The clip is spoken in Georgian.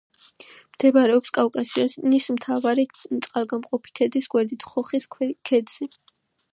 მდებარეობს კავკასიონის მთავარი წყალგამყოფი ქედის გვერდით ხოხის ქედზე.